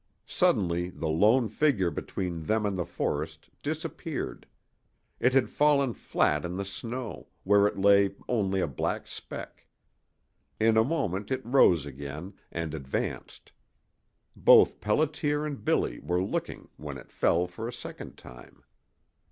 Suddenly the lone figure between them and the forest disappeared. It had fallen flat in the snow, where it lay only a black speck. In a moment it rose again and advanced. Both Pelliter and Billy were looking when it fell for a second time.